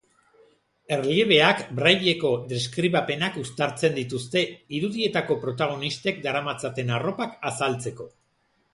Erliebeak brailleko deskribapenak uztartzen dituzte, irudietako protagonistek daramatzaten arropak azaltzeko.